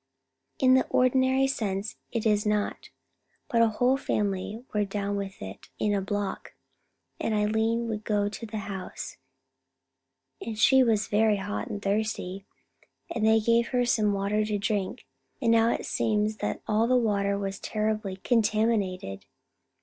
"In the ordinary sense it is not; but a whole family were down with it in A Block, and Eileen would go to the house, and she was very hot and thirsty, and they gave her some water to drink, and now it seems that all that water was terribly contaminated.